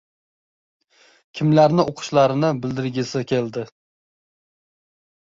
Kimlarni o‘qishlarini bildirgisi keldi.